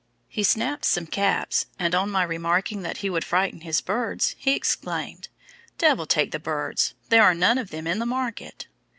He snapped some caps, and on my remarking that he would frighten his birds, he exclaimed, 'Devil take the birds, there are more of them in the market.'